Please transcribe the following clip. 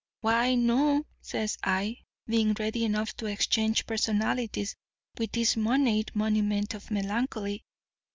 "'Why, no,' says I, being ready enough to exchange personalities with this moneyed monument of melancholy.